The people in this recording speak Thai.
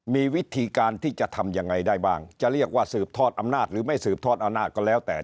มีวิธีการที่จะทำยังไงได้บ้างจะเรียกว่าสืบทอดอำนาจหรือไม่สืบทอดอำนาจก็แล้วแต่